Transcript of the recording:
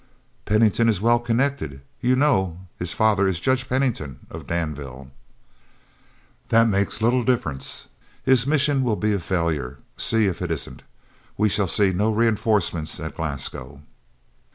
"Pennington is well connected; you know his father is Judge Pennington of Danville." "That makes little difference. His mission will be a failure; see if it isn't. We shall see no reinforcements at Glasgow."